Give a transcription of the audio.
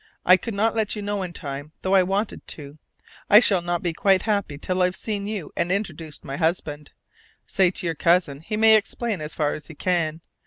I could not let you know in time, though I wanted to. I shall not be quite happy till I've seen you and introduced my husband. Say to your cousin he may explain as far as he can.